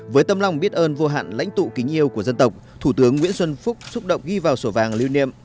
với tâm lòng biết ơn vô hạn lãnh tụ kính yêu của dân tộc thủ tướng nguyễn xuân phúc xúc động ghi vào sổ vàng lưu niệm